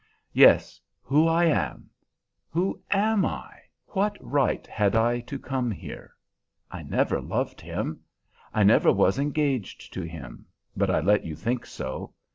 "Yes, who I am! Who am I? What right had I to come here? I never loved him. I never was engaged to him, but I let you think so.